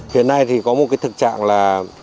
hiện nay thì có một cái thực trạng là